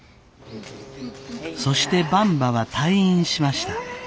そしてばんばは退院しました。